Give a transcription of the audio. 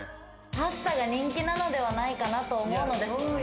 パスタが人気なのではないかなと思うのです。